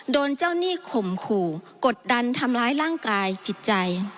โดนเจ้าหนี้ข่มขู่กดดันทำร้ายร่างกายจิตใจ